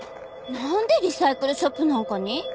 なんでリサイクルショップなんかに？